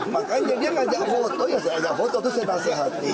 makanya dia ngajak foto ya kajak foto itu saya kasih hati